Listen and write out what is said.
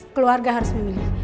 keluarga harus memilih